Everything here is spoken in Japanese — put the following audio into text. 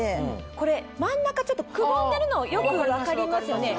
これ真ん中ちょっとくぼんでるのよく分かりますよね。